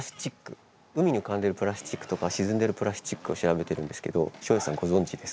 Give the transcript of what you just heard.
海に浮かんでいるプラスチックとか沈んでいるプラスチックを調べてるんですけど照英さんご存じですか？